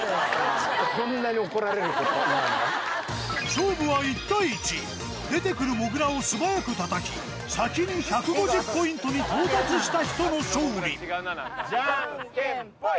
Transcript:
勝負は１対１出てくるモグラを素早く叩き先に１５０ポイントに到達した人の勝利ジャンケンぽい！